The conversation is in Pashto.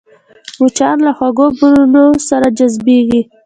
مچان له خوږو بویونو سره جذبېږي